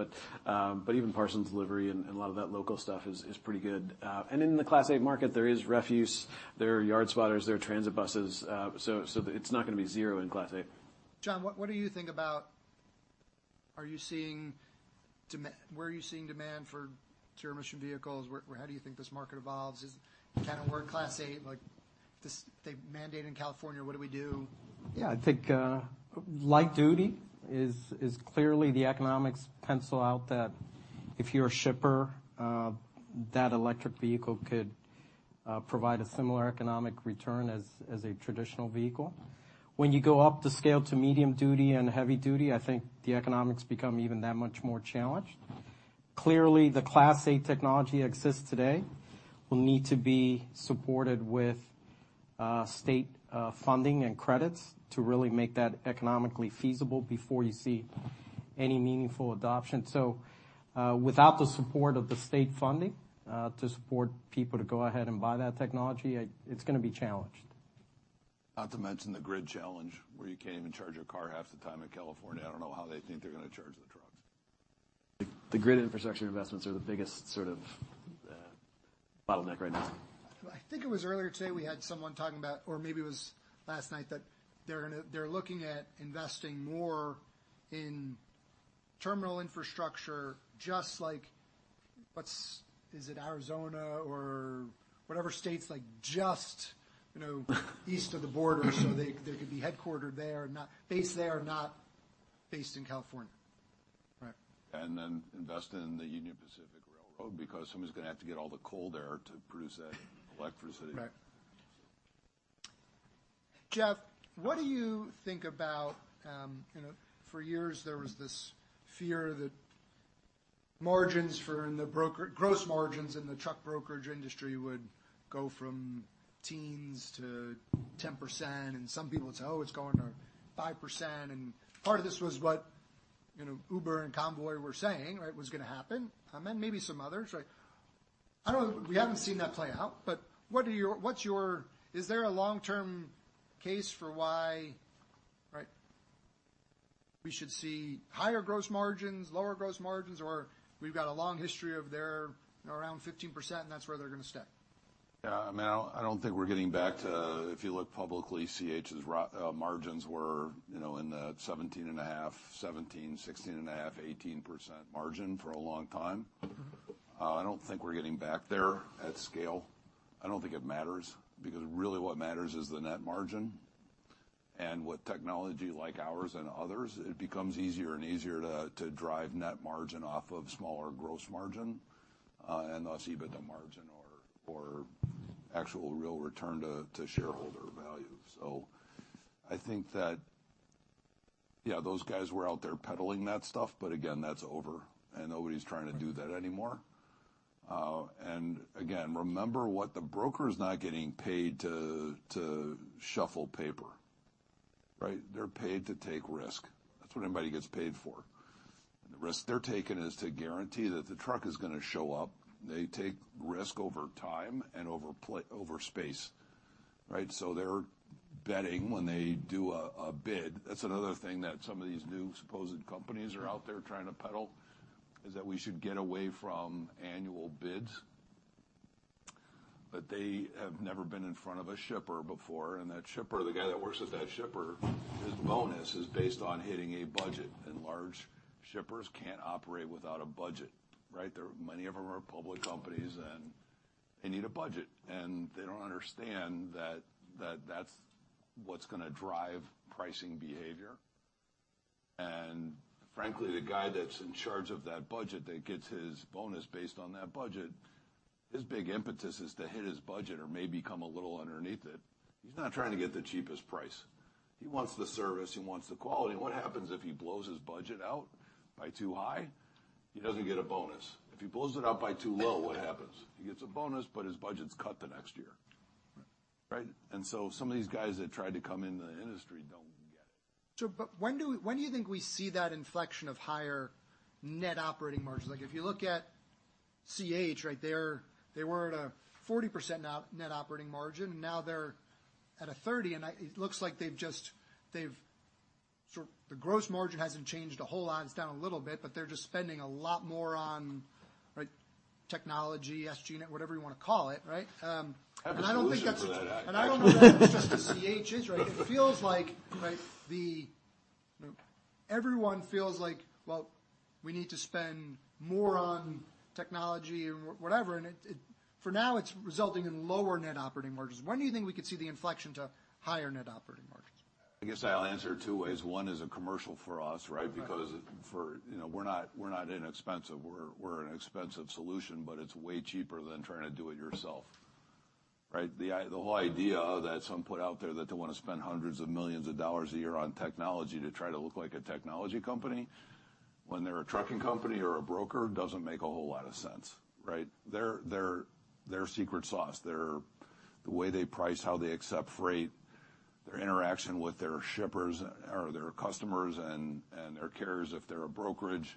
Even parts and delivery and a lot of that local stuff is pretty good. In the Class 8 market, there is refuse, there are yard spotters, there are transit buses. It's not gonna be zero in Class 8. John, what do you think about are you seeing where are you seeing demand for zero emission vehicles? Where how do you think this market evolves? Is it kind of where Class 8, like this, they mandate in California, what do we do? Yeah. I think, light duty is clearly the economics pencil out that if you're a shipper, that electric vehicle could provide a similar economic return as a traditional vehicle. When you go up the scale to medium duty and heavy duty, I think the economics become even that much more challenged. Clearly, the Class 8 technology that exists today will need to be supported with, state, funding and credits to really make that economically feasible before you see any meaningful adoption. Without the support of the state funding, to support people to go ahead and buy that technology, it's gonna be challenged. Not to mention the grid challenge, where you can't even charge a car half the time in California. I don't know how they think they're gonna charge the trucks. The grid infrastructure investments are the biggest sort of bottleneck right now. I think it was earlier today, we had someone talking about, or maybe it was last night, that they're gonna they're looking at investing more in terminal infrastructure, just like, what's is it Arizona or whatever states like just, you know east of the border, so they could be headquartered there, not based there, not based in California. Right. Invest in the Union Pacific Railroad, because someone's gonna have to get all the coal there to produce that electricity. Right. Jeff, what do you think about, you know, for years there was this fear that margins for gross margins in the truck brokerage industry would go from teens to 10%, and some people would say, "Oh, it's going to 5%." Part of this was what, you know, Uber and Convoy were saying, right? Was gonna happen. Maybe some others, right? I don't know, we haven't seen that play out, but is there a long-term case for why, right, we should see higher gross margins, lower gross margins, or we've got a long history of they're around 15%, and that's where they're gonna stay? Yeah. I mean, I don't think we're getting back to, if you look publicly, C.H.'s margins were, you know, in the 17.5%, 17%, 16.5%, 18% margin for a long time. Mm-hmm. I don't think we're getting back there at scale. I don't think it matters, because really what matters is the net margin. With technology like ours and others, it becomes easier and easier to drive net margin off of smaller gross margin, and thus EBITDA margin or actual real return to shareholder value. I think that, yeah, those guys were out there peddling that stuff, but again, that's over, and nobody's trying to do that anymore. Again, remember what the broker's not getting paid to shuffle paper, right? They're paid to take risk. That's what everybody gets paid for. The risk they're taking is to guarantee that the truck is gonna show up. They take risk over time and over space, right? They're betting when they do a bid. That's another thing that some of these new supposed companies are out there trying to peddle, is that we should get away from annual bids. They have never been in front of a shipper before, and that shipper, the guy that works at that shipper, his bonus is based on hitting a budget, and large shippers can't operate without a budget, right? They're many of them are public companies, and they need a budget. They don't understand that that's what's gonna drive pricing behavior. Frankly, the guy that's in charge of that budget, that gets his bonus based on that budget, his big impetus is to hit his budget or maybe come a little underneath it. He's not trying to get the cheapest price. He wants the service. He wants the quality. What happens if he blows his budget out by too high? He doesn't get a bonus. If he blows it up by too low, what happens? He gets a bonus, but his budget's cut the next year, right? Some of these guys that tried to come into the industry don't get it. But when do, when do you think we see that inflection of higher net operating margins? Like, if you look at C.H. right there, they were at a 40% net operating margin. Now they're at a 30%, and I... it looks like they've just, they've sort-- the gross margin hasn't changed a whole lot. It's down a little bit, but they're just spending a lot more on, like, technology, SG&A, whatever you wanna call it, right? And I don't think that's- I have a solution for that. I don't know that that's just a C.H. issue, right? It feels like, right, everyone feels like, well, we need to spend more on technology or whatever, and it, for now, it's resulting in lower net operating margins. When do you think we could see the inflection to higher net operating margins? I guess I'll answer it two ways. One is a commercial for us, right? Because you know, we're not inexpensive. We're an expensive solution, but it's way cheaper than trying to do it yourself, right? The whole idea that some put out there that they want to spend hundreds of millions of dollars a year on technology to try to look like a technology company when they're a trucking company or a broker doesn't make a whole lot of sense, right? Their secret sauce, the way they price, how they accept freight, their interaction with their shippers or their customers and their carriers if they're a brokerage,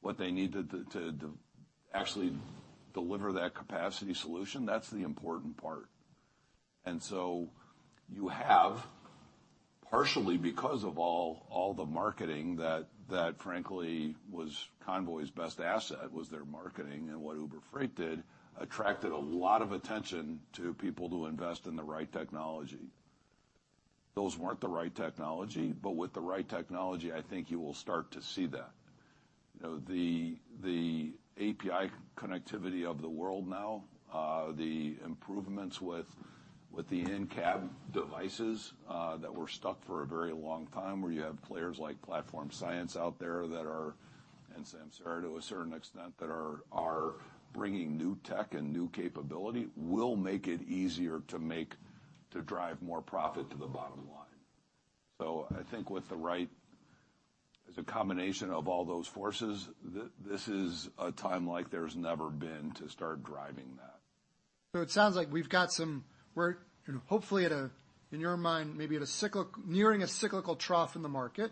what they need to actually deliver that capacity solution, that's the important part. You have, partially because of all the marketing that frankly was Convoy's best asset, was their marketing and what Uber Freight did, attracted a lot of attention to people to invest in the right technology. Those weren't the right technology, but with the right technology, I think you will start to see that. You know, the API connectivity of the world now, the improvements with the in-cab devices that were stuck for a very long time, where you have players like Platform Science out there that are, and Samsara to a certain extent, that are bringing new tech and new capability, will make it easier to drive more profit to the bottom line. I think with the right... as a combination of all those forces, this is a time like there's never been to start driving that. It sounds like we've got some, we're hopefully at a, in your mind, maybe nearing a cyclical trough in the market.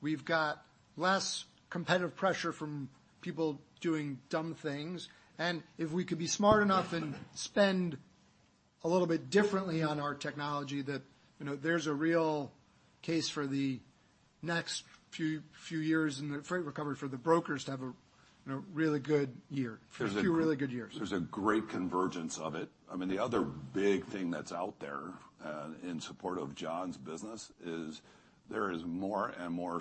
We've got less competitive pressure from people doing dumb things. If we could be smart enough and spend a little bit differently on our technology that, you know, there's a real case for the next few years in the freight recovery for the brokers to have a, you know, really good year. There's a- A few really good years. There's a great convergence of it. I mean, the other big thing that's out there, in support of John's business is there is more and more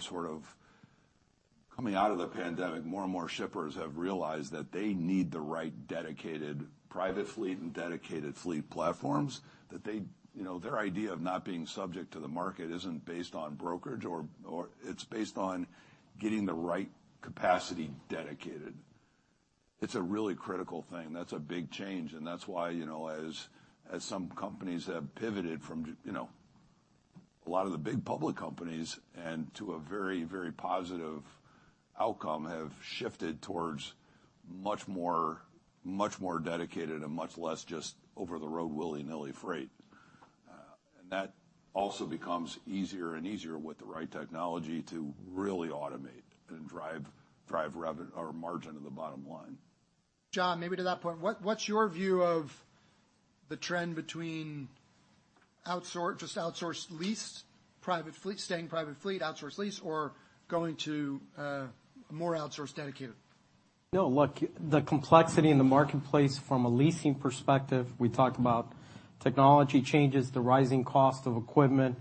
Coming out of the pandemic, more and more shippers have realized that they need the right dedicated private fleet and dedicated fleet platforms, that they, you know, their idea of not being subject to the market isn't based on brokerage or it's based on getting the right capacity dedicated. It's a really critical thing. That's a big change, that's why, you know, as some companies have pivoted from, you know, a lot of the big public companies and to a very, very positive outcome, have shifted towards much more dedicated and much less just over-the-road willy-nilly freight. That also becomes easier and easier with the right technology to really automate and drive or margin to the bottom line. John, maybe to that point, what's your view of the trend between outsource, just outsource lease, private fleet, staying private fleet, outsource lease, or going to more outsourced dedicated? No, look, the complexity in the marketplace from a leasing perspective, we talked about technology changes, the rising cost of equipment.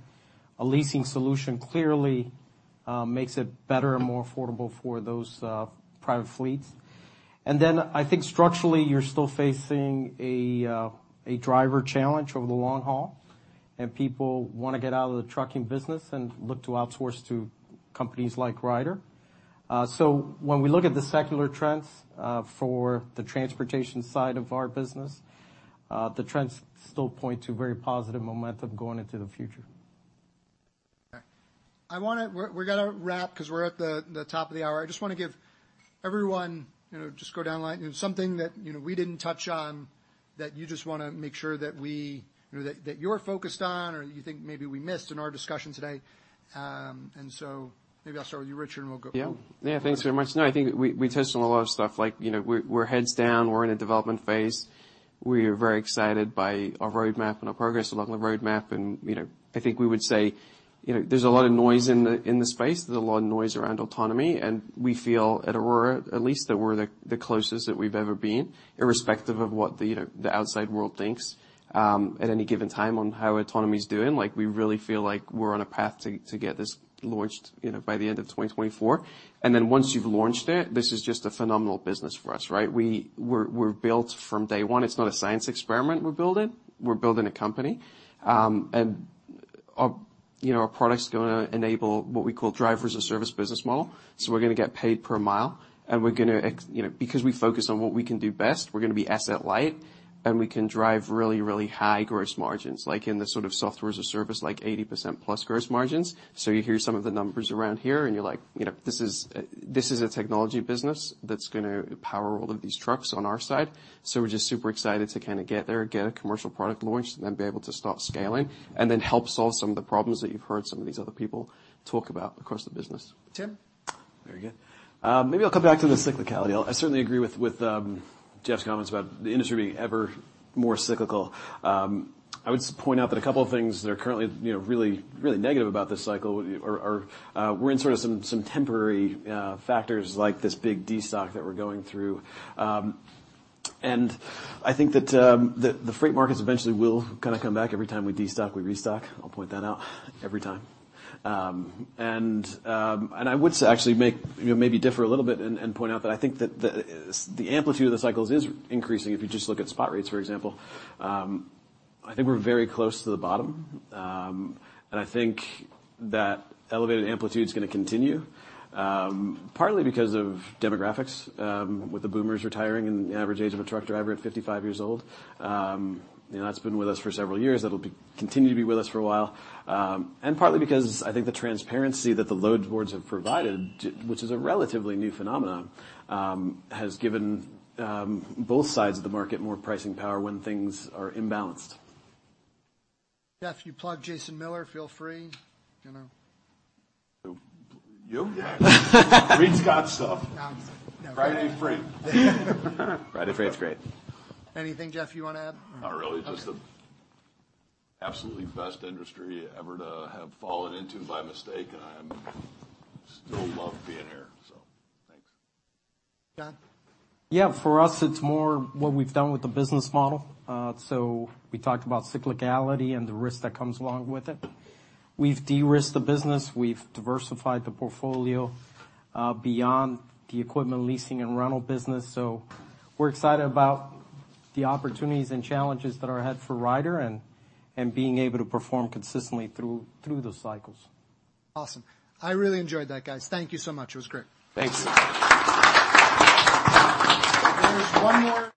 A leasing solution clearly makes it better and more affordable for those private fleets. I think structurally, you're still facing a driver challenge over the long haul, and people wanna get out of the trucking business and look to outsource to companies like Ryder. When we look at the secular trends for the transportation side of our business, the trends still point to very positive momentum going into the future. Okay. We gotta wrap 'cause we're at the top of the hour. I just wanna give everyone, you know, just go down the line, you know, something that, you know, we didn't touch on. That you just wanna make sure that we or that you're focused on, or you think maybe we missed in our discussion today. Maybe I'll start with you, Richard, and we'll go. Yeah. Yeah. Thanks very much. No, I think we touched on a lot of stuff like, you know, we're heads down, we're in a development phase. We are very excited by our roadmap and our progress along the roadmap. You know, I think we would say, you know, there's a lot of noise in the, in the space. There's a lot of noise around autonomy, and we feel at Aurora, at least that we're the closest that we've ever been, irrespective of what the, you know, the outside world thinks at any given time on how autonomy is doing. Like, we really feel like we're on a path to get this launched, you know, by the end of 2024. Once you've launched it, this is just a phenomenal business for us, right? We're built from day one. It's not a science experiment we're building. We're building a company. You know, our product's gonna enable what we call drivers-as-a-service business model. We're gonna get paid per mile, and we're gonna you know, because we focus on what we can do best, we're gonna be asset light, and we can drive really, really high gross margins, like in the sort of softwares as a service, like 80% plus gross margins. You hear some of the numbers around here, and you're like, you know, this is, this is a technology business that's gonna power all of these trucks on our side. We're just super excited to kinda get there, get a commercial product launched, and then be able to start scaling, and then help solve some of the problems that you've heard some of these other people talk about across the business. Tim? Very good. Maybe I'll come back to the cyclicality. I certainly agree with Jeff's comments about the industry being ever more cyclical. I would point out that a couple of things that are currently, you know, really, really negative about this cycle are, we're in sort of some temporary factors like this big destock that we're going through. I think that the freight markets eventually will kinda come back every time we destock, we restock. I'll point that out every time. I would actually make, you know, maybe differ a little bit and point out that I think that the amplitude of the cycles is increasing, if you just look at spot rates, for example. I think we're very close to the bottom. I think that elevated amplitude's gonna continue, partly because of demographics, with the boomers retiring and the average age of a truck driver at 55 years old. You know, that's been with us for several years. That'll continue to be with us for a while. Partly because I think the transparency that the load boards have provided, which is a relatively new phenomenon, has given both sides of the market more pricing power when things are imbalanced. Jeff, you plug Jason Miller, feel free. You know? You? Read Scott's stuff. No. Friday Freight. Friday Freight's great. Anything, Jeff, you wanna add? Not really. Okay. The absolutely best industry ever to have fallen into by mistake, and I still love being here, so thanks. John? Yeah. For us, it's more what we've done with the business model. We talked about cyclicality and the risk that comes along with it. We've de-risked the business. We've diversified the portfolio, beyond the equipment leasing and rental business. We're excited about the opportunities and challenges that are ahead for Ryder and being able to perform consistently through those cycles. Awesome. I really enjoyed that, guys. Thank you so much. It was great. Thanks. There is one more...